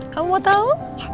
kamu mau tau